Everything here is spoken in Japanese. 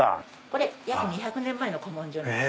これ約２００年前の古文書です。